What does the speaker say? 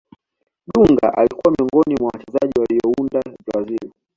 dunga alikuwa miongoni mwa wachezaji waliounda brazil